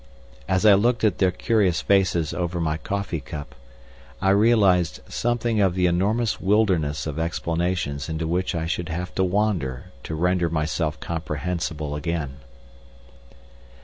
As I looked at their curious faces over my coffee cup, I realised something of the enormous wilderness of explanations into which I should have to wander to render myself comprehensible again.